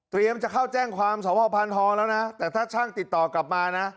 จะเข้าแจ้งความสอบพ่อพันธแล้วนะแต่ถ้าช่างติดต่อกลับมานะ